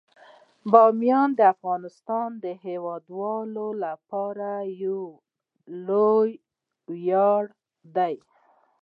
بامیان د افغانستان د هیوادوالو لپاره یو لوی ویاړ دی.